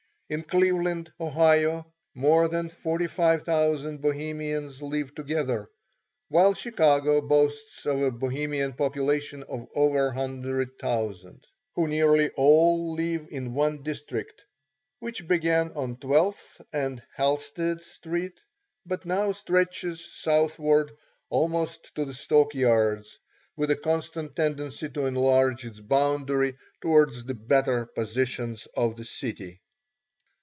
In Cleveland, Ohio, more than 45,000 Bohemians live together, while Chicago boasts of a Bohemian population of over 100,000, who nearly all live in one district, which began on Twelfth and Halstead Streets, but now stretches southward almost to the stockyards, with a constant tendency to enlarge its boundary towards the better portions of the city.